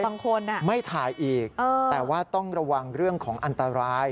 บางคนไม่ถ่ายอีกแต่ว่าต้องระวังเรื่องของอันตราย